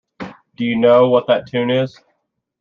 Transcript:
Do you know what that tune is?